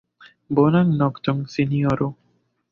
Bonan nokton, sinjoro.